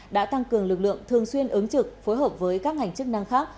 đã tăng cường lực lượng thường xuyên ứng trực phối hợp với các ngành chức năng khác